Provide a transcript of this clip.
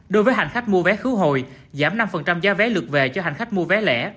đối với hành khách mua vé khứ hồi giảm năm giá vé lượt về cho hành khách mua vé lẻ